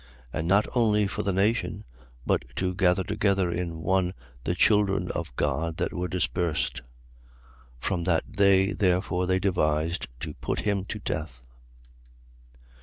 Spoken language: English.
11:52. And not only for the nation, but to gather together in one the children of God that were dispersed. 11:53. From that day therefore they devised to put him to death.